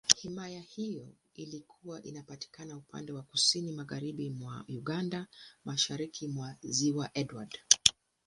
Himaya hiyo ilikuwa inapatikana upande wa Kusini Magharibi mwa Uganda, Mashariki mwa Ziwa Edward.